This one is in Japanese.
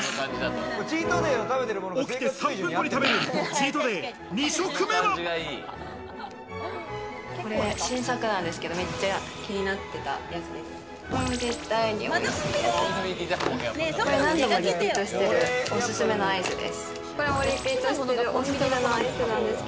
起きて３分後に新作なんですけど、めっちゃ気になってたやつです。